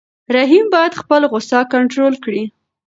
رحیم باید خپله غوسه کنټرول کړي.